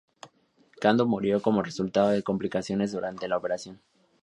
Cando murió como resultado de complicaciones durante la operación.